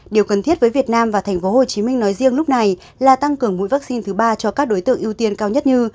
điều cần thiết với việt nam và tp hcm nói riêng lúc này là tăng cường mũi vaccine thứ ba cho các đối tượng ưu tiên cao nhất như